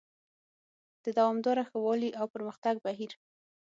د دوامداره ښه والي او پرمختګ بهیر: